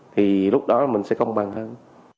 thì lúc đó mình sẽ công bằng hơn